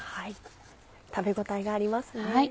食べ応えがありますね。